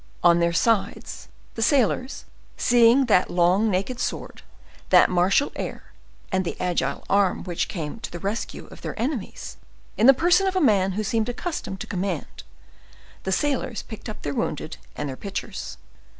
On their side, the sailors, seeing that long naked sword, that martial air, and the agile arm which came to the rescue of their enemies, in the person of a man who seemed accustomed to command, the sailors picked up their wounded and their pitchers.